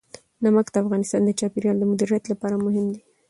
نمک د افغانستان د چاپیریال د مدیریت لپاره مهم دي.